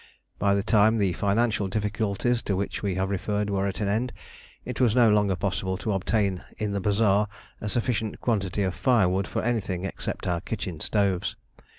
By the time the financial difficulties to which we have referred were at an end, it was no longer possible to obtain in the bazaar a sufficient quantity of firewood for anything except our kitchen stoves.